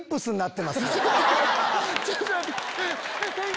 ちょっと待って。